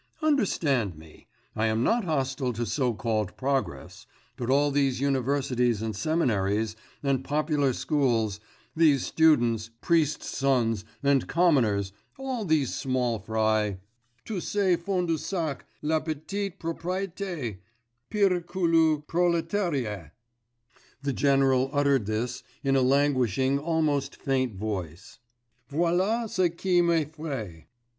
Understand me. I am not hostile to so called progress, but all these universities and seminaries, and popular schools, these students, priests' sons, and commoners, all these small fry, tout ce fond du sac, la petite propriété, pire que le prolétariat (the general uttered this in a languishing, almost faint voice) voilà ce qui m'effraie ...